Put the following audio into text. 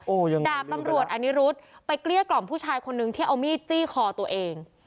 ยังไงดาบตำรวจอนิรุธไปเกลี้ยกล่อมผู้ชายคนนึงที่เอามีดจี้คอตัวเอง